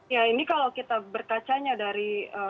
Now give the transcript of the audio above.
ya ini kalau kita berkacanya dari